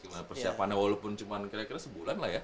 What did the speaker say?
cuma persiapannya walaupun cuma kira kira sebulan lah ya